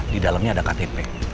di dalamnya ada ktp